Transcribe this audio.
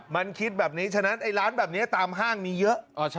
มันคิดแบบนี้ฉะนั้นไอ้ร้านแบบนี้ตามห้างมีเยอะ